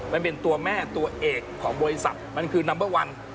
มันเป็นตัวแม่ตัวเอกของบริษัทมันคือนัมเบอร์วัน